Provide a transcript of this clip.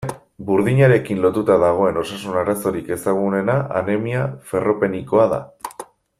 Burdinarekin lotuta dagoen osasun arazorik ezagunena anemia ferropenikoa da.